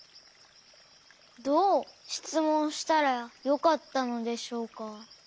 どうしつもんしたらよかったのでしょうか。